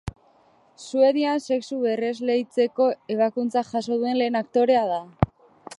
Suedian sexua berresleitzeko ebakuntza jaso duen lehen aktorea da.